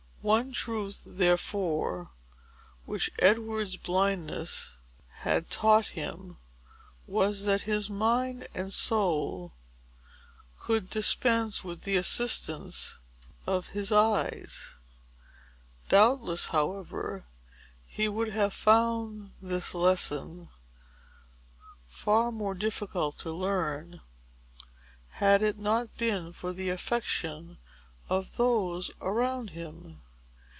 One truth, therefore, which Edward's blindness had taught him, was, that his mind and soul could dispense with the assistance of his eyes. Doubtless, however, he would have found this lesson far more difficult to learn, had it not been for the affection of those around him.